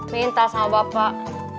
minta sama bapak